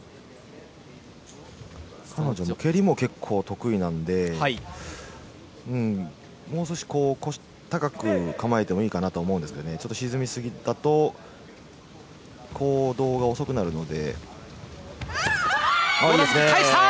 彼女も蹴りも結構得意なのでもう少し高く構えてもいいかなと思うんですが沈み過ぎだと行動が遅くなるので。